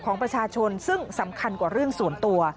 ของประชาชนซึ่งสำคัญกว่าเรื่องส่วนตัว